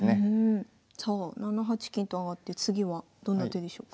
さあ７八金と上がって次はどんな手でしょうか？